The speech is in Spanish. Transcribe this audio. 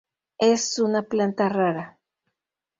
Es una planta rara.